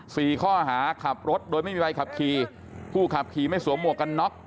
สี่ข้อหาขับรถโดยไม่มีใบขับขี่ผู้ขับขี่ไม่สวมหมวกกันน็อก